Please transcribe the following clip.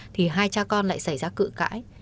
thì hai cha con lại xảy ra cự cãi